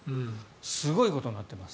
すごいことになっています。